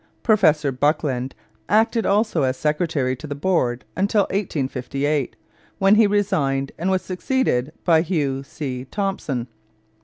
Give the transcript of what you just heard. Professor Buckland acted also as secretary to the board until 1858, when he resigned and was succeeded by Hugh C. Thomson.